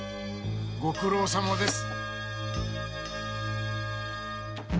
ご苦労さまです。